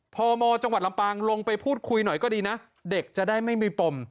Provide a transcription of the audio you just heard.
พมจังหวัดลำปางลงไปพูดคุยหน่อยก็ดีนะเด็กจะได้ไม่มีปม